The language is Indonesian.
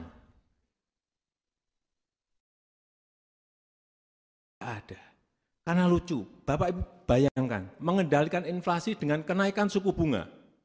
enggak ada karena lucu bapak ibu bayangkan mengendalikan inflasi dengan kenaikan suku bunga